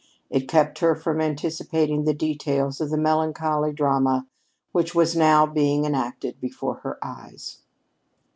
It kept her from anticipating the details of the melancholy drama which was now being enacted before her eyes.